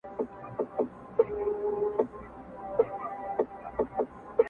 چي پاچا ته خبر راغی تر درباره!!